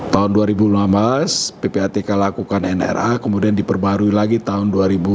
tahun dua ribu enam belas ppatk lakukan nra kemudian diperbarui lagi tahun dua ribu dua puluh